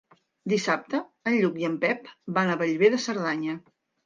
Dissabte en Lluc i en Pep van a Bellver de Cerdanya.